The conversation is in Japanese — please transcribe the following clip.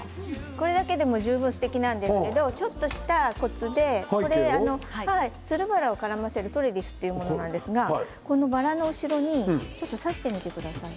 これだけでも十分すてきなんですけれどもちょっとしたコツでつるバラを絡ませるトレビスというものなんですがバラの後ろに挿してみてください。